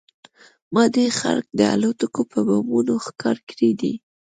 ما ډېر خلک د الوتکو په بمونو ښکار کړي دي